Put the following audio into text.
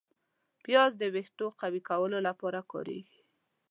پیاز د ویښتو قوي کولو لپاره کارېږي